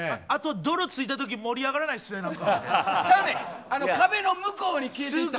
泥ついた時盛り上がらないですね、なんか。